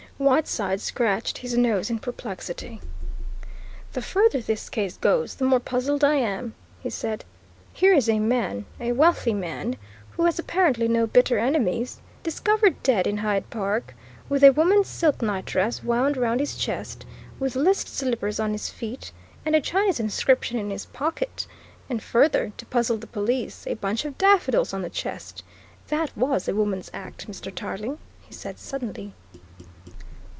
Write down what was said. Whiteside scratched his nose in perplexity. "The further this case goes, the more puzzled I am," he said. "Here is a man, a wealthy man, who has apparently no bitter enemies, discovered dead in Hyde Park, with a woman's silk night dress wound round his chest, with list slippers on his feet, and a Chinese inscription in his pocket and further, to puzzle the police, a bunch of daffodils on the chest. That was a woman's act, Mr. Tarling," he said suddenly.